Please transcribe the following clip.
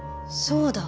そうだ。